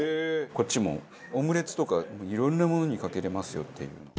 こっちもオムレツとかいろんなものにかけれますよっていう。